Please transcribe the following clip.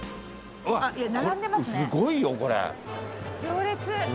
すごいよこれ。